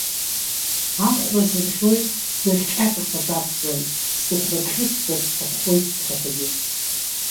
Ахәра сырӷьоит быӷь ҟьаҟьақәак ақәҵан, сыхәрабӷьыцзар сҭаххоит схаҭагьы.